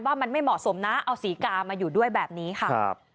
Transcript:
ว่ามันไม่เหมาะสมนะเอาศรีกามาอยู่ด้วยแบบนี้ค่ะครับ